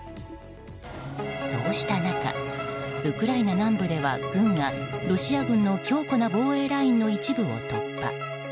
そうした中ウクライナ南部では、軍がロシア軍の強固な防衛ラインの一部を突破。